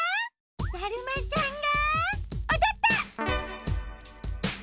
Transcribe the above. だるまさんがおどった！